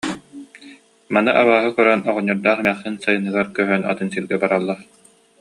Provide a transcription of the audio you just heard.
Маны абааһы көрөн, оҕонньордоох эмээхсин сайыныгар көһөн атын сиргэ бараллар